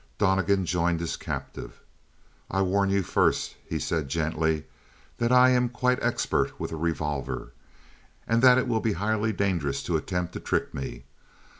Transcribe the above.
Donnegan joined his captive. "I warn you first," he said gently, "that I am quite expert with a revolver, and that it will be highly dangerous to attempt to trick me.